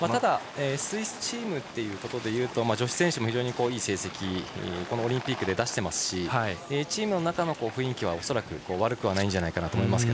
ただ、スイスチームで言うと女子選手も非常にいい成績をオリンピックで出していますしチームの中の雰囲気は恐らく悪くないんじゃないかなと思います。